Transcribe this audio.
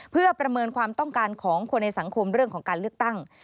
เพื่อประเมินความต้องการของคนในสังคมเรื่องของการเลือกตั้ง